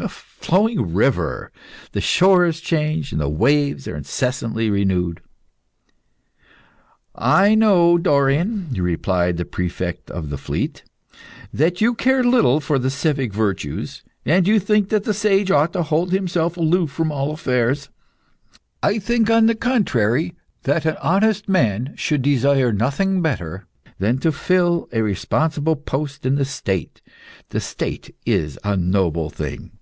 A flowing river. The shores change, and the waves are incessantly renewed." "I know, Dorion," replied the Prefect of the Fleet, "that you care little for the civic virtues, and you think that the sage ought to hold himself aloof from all affairs. I think, on the contrary, that an honest man should desire nothing better than to fill a responsible post in the State. The State is a noble thing."